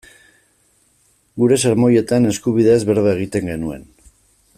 Geure sermoietan eskubideez berba egiten genuen.